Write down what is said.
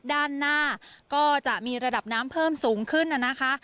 ด้านหน้าก็จะมีระดับน้ำเพิ่มสูงขึ้นนะคะ